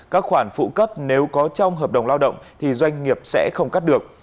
các khoản phụ cấp nếu có trong hợp đồng lao động thì doanh nghiệp sẽ không cắt được